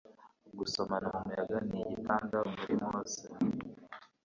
Gusomana mumuyaga nigitanda muri mose